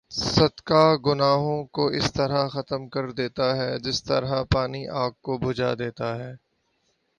صدقہ گناہوں کو اس طرح ختم کر دیتا ہے جس طرح پانی آگ کو بھجا دیتا ہے